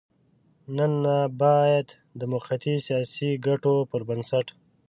نن نه بايد د موقتي سياسي ګټو پر بنسټ.